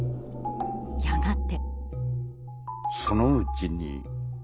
やがて。